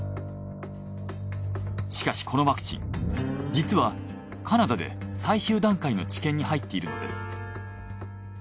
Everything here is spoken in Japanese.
しかしこのワクチン実はカナダで最終段階の治験に入っているのです。